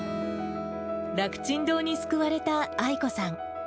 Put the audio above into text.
楽ちん堂に救われたアイコさん。